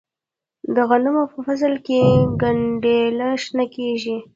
د غنمو په فصل کې گنډیاله شنه کیږي.